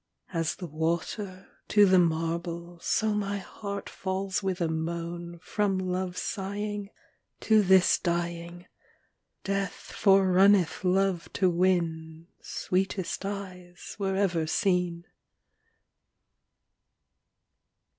As the water to the marble So my heart falls with a moan From love sighing To this dying. Death forerunneth Love to win "Sweetest eyes were ever seen."